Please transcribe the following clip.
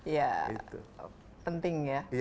ya penting ya